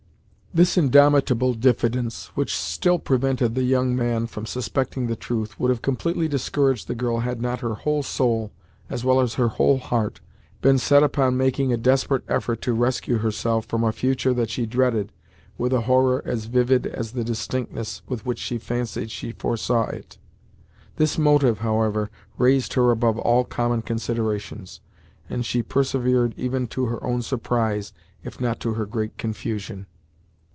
This indomitable diffidence, which still prevented the young man from suspecting the truth, would have completely discouraged the girl, had not her whole soul, as well as her whole heart, been set upon making a desperate effort to rescue herself from a future that she dreaded with a horror as vivid as the distinctness with which she fancied she foresaw it. This motive, however, raised her above all common considerations, and she persevered even to her own surprise, if not to her great confusion.